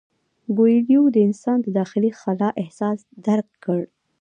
کویلیو د انسان د داخلي خلا احساس درک کړ.